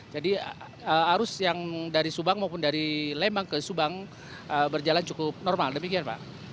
jadi arus yang dari subang maupun dari lembang ke subang berjalan cukup normal demikian pak